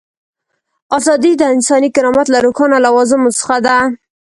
ازادي د انساني کرامت له روښانه لوازمو څخه ده.